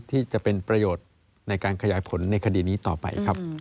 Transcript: ที่จะเป็นประโยชน์ในการขยายผลในคดีนี้ต่อไปครับ